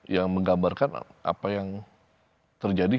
yang menggambarkan apa yang terjadi